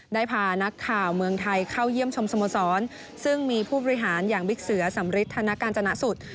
ได้พานักข่าวเมืองไทยเข้าเยี่ยมชมสโมสรซึ่งมีผู้บริหารอย่างบิ๊กเสือสำริทธนกาญจนสุด